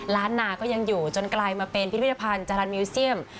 ล้านนาก็ยังอยู่จนกลายมาเป็นพิพิธภัณฑ์จรรย์มิวเซียม